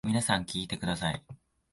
皆さん聞いてください。